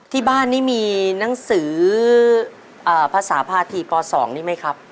ที่บ้านนี้มีหนังสือภาษาภาษีป๒นี่ไหมครับ